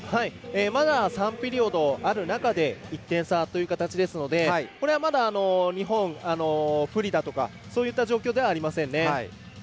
まだ３ピリオドある中で１点差という形ですのでまだ、日本不利だとかそういった状況ではありませんね。